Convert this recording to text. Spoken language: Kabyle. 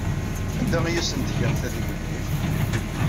Anda ay asen-tgam tadiwennit?